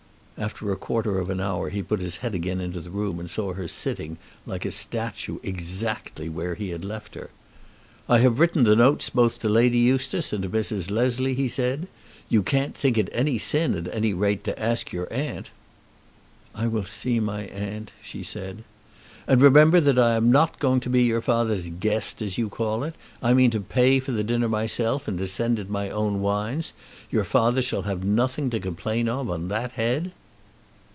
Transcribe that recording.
After a quarter of an hour he put his head again into the room and saw her sitting, like a statue, exactly where he had left her. "I have written the notes both to Lady Eustace and to Mrs. Leslie," he said. "You can't think it any sin at any rate to ask your aunt." "I will see my aunt," she said. "And remember I am not going to be your father's guest, as you call it. I mean to pay for the dinner myself, and to send in my own wines. Your father shall have nothing to complain of on that head."